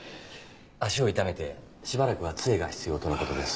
足を痛めてしばらくは杖が必要とのことです。